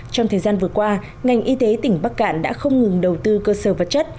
trong thời gian vừa qua ngành y tế tỉnh bắc cạn đã không ngừng đầu tư cơ sở vật chất